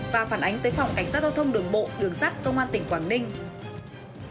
và phản ánh tới phòng cảnh sát giao thông đường bộ đường sắt công an tỉnh quảng ninh